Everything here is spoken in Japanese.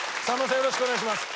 よろしくお願いします。